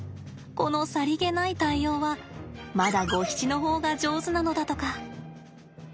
このさりげない対応はまだゴヒチの方が上手なのだとか。